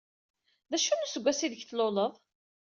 D acu n useggas aydeg d-tluleḍ?